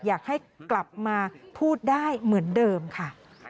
อยากให้กลับมาพูดได้เหมือนเดิมค่ะ